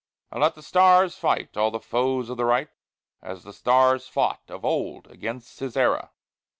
And let thy stars fight all the foes of the Right As the stars fought of old against Sisera."